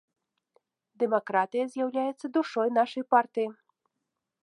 Дэмакратыя з'яўляецца душой нашай партыі.